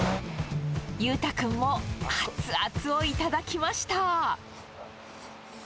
裕太君も、熱々を頂きました。